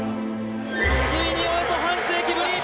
ついにおよそ半世紀ぶり